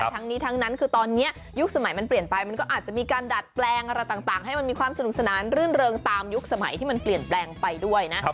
ทั้งนี้ทั้งนั้นคือตอนนี้ยุคสมัยมันเปลี่ยนไปมันก็อาจจะมีการดัดแปลงอะไรต่างให้มันมีความสนุกสนานรื่นเริงตามยุคสมัยที่มันเปลี่ยนแปลงไปด้วยนะ